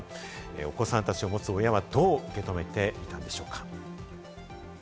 お子さんたちを持つ親はどう受け止めていたのでしょうか？